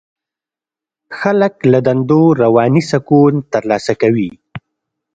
خلک له دندو رواني سکون ترلاسه کوي.